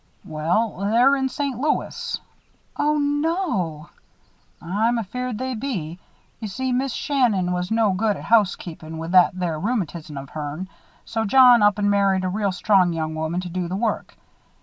"Well, they're in St. Louis." "Oh, no." "I'm afeared they be. You see, Mis' Shannon was no good at housekeepin' with that there rheumatism of hern; so, John up and married a real strong young woman to do the work.